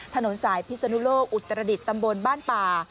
ถนนสายพิศนุโลกอุตรดิษฐ์ตำบลบ้านป่า